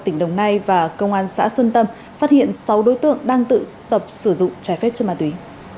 tỉnh đồng nai và công an xã xuân tâm phát hiện sáu đối tượng đang tự tập sử dụng trái phép trên ma túy